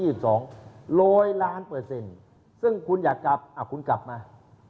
การโหวตวันที่๒๒ร้อยล้านเปอร์เซ็นต์ซึ่งคุณอยากกลับอ่าคุณกลับมา